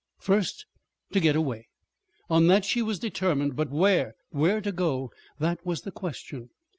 First, to get away. On that she was determined. But where to go that was the question.